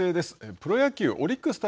プロ野球オリックス対